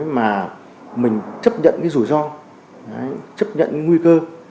mà mình chấp nhận cái rủi ro chấp nhận nguy cơ